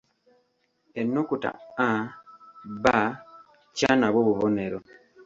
Ennukuta A, B, C nabwo bubonero.